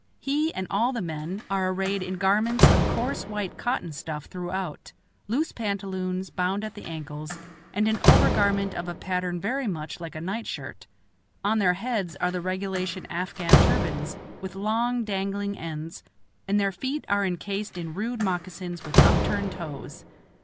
He and all the men are arrayed in garments of coarse white cotton stuff throughout, loose pantaloons, bound at the ankles, and an over garment of a pattern very much like a night shirt; on their heads are the regulation Afghan turbans, with long, dangling ends, and their feet are incased in rude moccasins with upturned toes.